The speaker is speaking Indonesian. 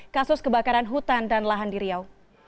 kasus kebakaran hutan dan lahan di riau